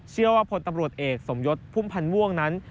เชื่อว่าพลตำรวจเอกสมยศภูมิพันธ์ว่างนั้น